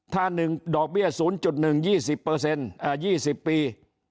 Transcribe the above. ถ้า๑ดอกเบี้ย๐๑๒๐๒๐ปี